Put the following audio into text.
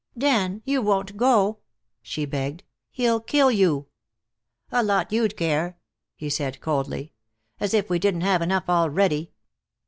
"Dan, you won't go?" she begged. "He'll kill you." "A lot you'd care," he said, coldly. "As if we didn't have enough already!